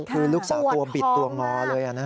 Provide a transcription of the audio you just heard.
คือลูกสาวตัวปิดตัวนอนเลยอะนะ